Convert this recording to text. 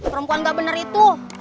perempuan gak bener itu